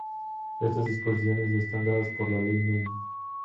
Estas disposiciones están dadas por la ley Núm.